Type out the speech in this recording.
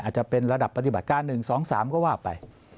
อาจจะเป็นระดับปฏิบัติการ๑๒๓ก็ว่าไป